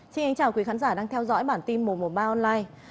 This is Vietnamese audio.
xin chào quý khán giả đang theo dõi bản tin một trăm một mươi ba online